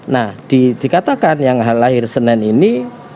nah dikatakan yang lahir senin ini